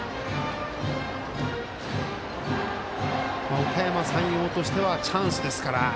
おかやま山陽としてはチャンスですから。